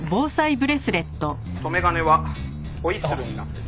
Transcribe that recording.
「留め金はホイッスルになってる」